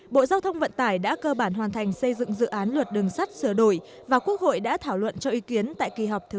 bộ giao thông vận tải đã cơ bản hoàn thành xây dựng dự án luật đường sắt sửa đổi và quốc hội đã thảo luận cho ý kiến tại kỳ họp thứ bảy